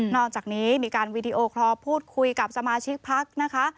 อกจากนี้มีการวีดีโอคอร์พูดคุยกับสมาชิกพักนะคะ